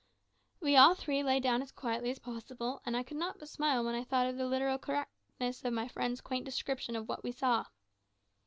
We all three lay down as quietly as possible, and I could not but smile when I thought of the literal correctness of my friend's quaint description of what we saw.